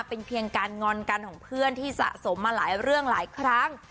เป็นเพียงการงอนกันของเพื่อนที่สะสมมาหลายเรื่องหลายครั้ง